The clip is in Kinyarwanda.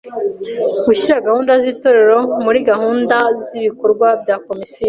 Gushyira gahunda z’Itorero muri gahunda z’ibikorwa bya komisiyo